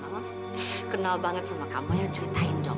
mama kenal banget sama kamu ya ceritain dong